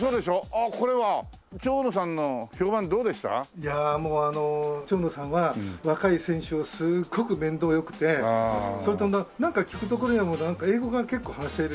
いやもう長野さんは若い選手をすっごく面倒良くてそれとなんか聞くところによると英語が結構話せる。